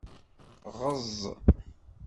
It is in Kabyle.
Ɣeẓẓ.